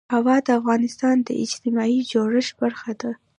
هوا د افغانستان د اجتماعي جوړښت برخه ده.